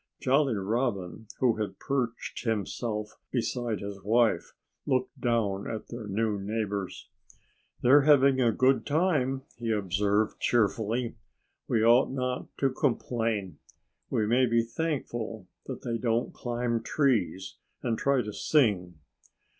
Jolly Robin, who had perched himself beside his wife, looked down at their new neighbors. "They're having a good time," he observed cheerfully. "We ought not to complain. We may be thankful that they don't climb trees and try to sing."